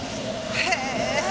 へえ！